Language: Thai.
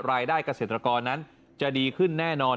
รายได้เกษตรกรนั้นจะดีขึ้นแน่นอน